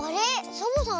サボさん